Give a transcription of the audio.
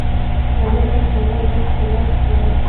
علي او ساره لاس په لاس شول.